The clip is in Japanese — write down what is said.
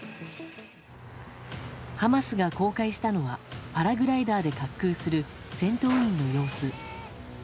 ハマスが公開したのはパラグライダーで滑空する戦闘員の様子。